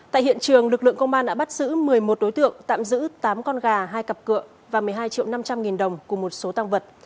tại hiện trường lực lượng công an đã bắt giữ một mươi một đối tượng tạm giữ tám con gà hai cặp cựa và một mươi hai triệu năm trăm linh nghìn đồng cùng một số tăng vật